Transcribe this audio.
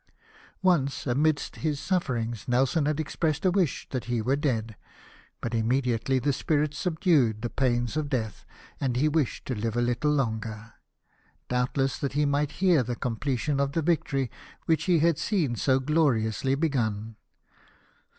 Once amidst his sufferings Nelson had expressed a wish that he were dead, but immediately the spirit subdued the pains of death, and he wished to live a little longer ; doubtless that he might hear the com pletion of the victory which he had seen so gloriously begun.